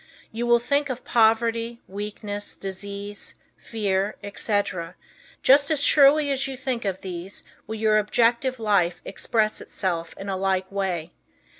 You will think of poverty, weakness, disease, fear, etc. Just as surely as you think of these will your objective life express itself in a like way.